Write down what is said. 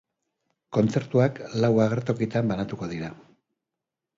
Kontzertuak lau agertokitan banatuko dira.